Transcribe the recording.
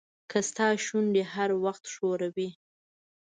که ستا شونډې هر وخت ښوري.